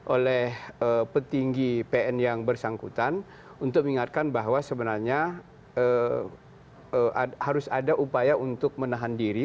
oleh petinggi pn yang bersangkutan untuk mengingatkan bahwa sebenarnya harus ada upaya untuk menahan diri